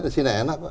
di sini enak kok